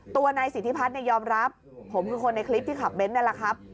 ตัวนายสิทธิพัฒน์ยอมรับผมคือคนในคลิปที่ขับเน้นนั่นแหละครับ